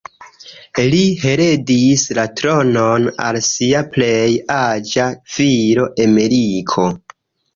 Li heredis la tronon al sia plej aĝa filo, Emeriko.